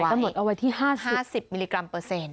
กฎหมายกำหนดเอาไว้ที่๕๐มิลลิกรัมเปอร์เซ็นต์